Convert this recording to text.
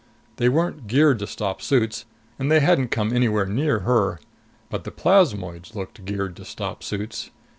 They weren't geared to stop suits, and they hadn't come anywhere near her. But the plasmoids looked geared to stop suits.